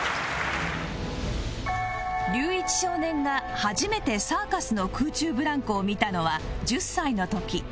隆一少年が初めてサーカスの空中ブランコを見たのは１０歳の時